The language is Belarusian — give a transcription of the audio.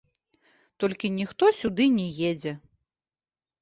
Толькі ніхто сюды не едзе.